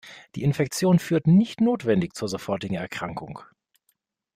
Die Infektion führt nicht notwendig zur sofortigen Erkrankung.